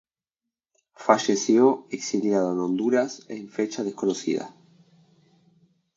Falleció exiliado en Honduras en fecha desconocida.